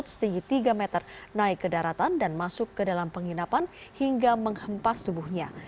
setinggi tiga meter naik ke daratan dan masuk ke dalam penginapan hingga menghempas tubuhnya